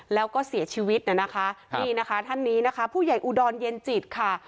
แล้วก็เสียชีวิตนะคะนี่นะคะท่านนี้นะคะผู้ใหญ่อุดรเย็นจิตค่ะ